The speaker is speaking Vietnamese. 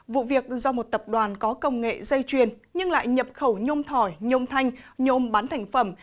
vụ việc do một tập đoàn có công nghệ dây chuyền nhưng lại nhập khẩu nhôm thỏi nhôm thanh nhôm bán thành phẩm